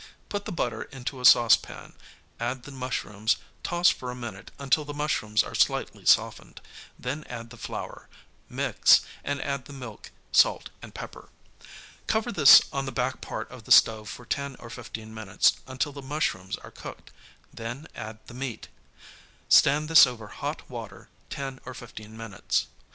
Put the butter into a saucepan, add the mushrooms, toss for a minute until the mushrooms are slightly softened, then add the flour, mix, and add the milk, salt and pepper. Cover this on the back part of the stove for ten or fifteen minutes until the mushrooms are cooked; then add the meat. Stand this over hot water ten or fifteen minutes.